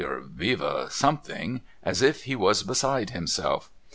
or Vive Something ! as if he was beside himself.